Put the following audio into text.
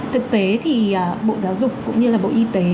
thực tế thì bộ giáo dục cũng như là bộ y tế